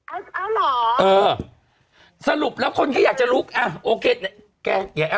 เอาหรอเออสรุปแล้วคนที่อยากจะลุกอะโอเคแกอย่าแอปเลย